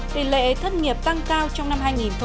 tỷ lệ thất nghiệp tăng cao trong năm hai nghìn một mươi sáu